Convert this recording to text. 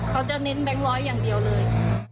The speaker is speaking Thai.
เขาจะเน้นแบงค์ร้อยอย่างเดียวเลย